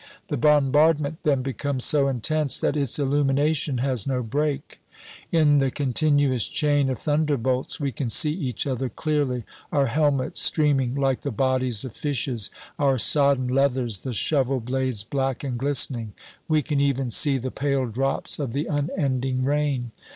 The bombardment then becomes so intense that its illumination has no break. In the continuous chain of thunderbolts we can see each other clearly our helmets streaming like the bodies of fishes, our sodden leathers, the shovel blades black and glistening; we can even see the pale drops of the unending rain.